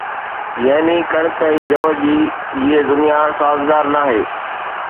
يعني ڪڻڪ ۽ جَوَ جي هيءَ دنيا سازگار ناهي